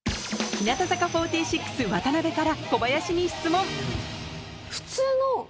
日向坂４６・渡から小林に質問！